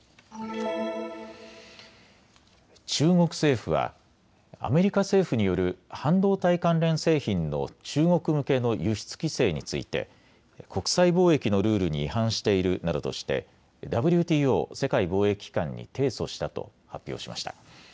中国政府はアメリカ政府による半導体関連製品の中国向けの輸出規制について国際貿易のルールに違反しているなどとしてＷＴＯ・世界貿易機関に提訴したと発表しました。